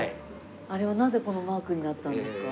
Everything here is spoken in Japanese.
あれはなぜこのマークになったんですか？